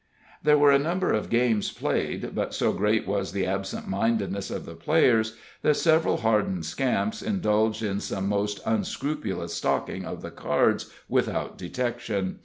There were a number of games played, but so great was the absentmindedness of the players, that several hardened scamps indulged in some most unscrupulous "stocking" of the cards without detection.